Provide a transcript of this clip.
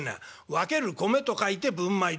「分ける米と書いて分米だ」。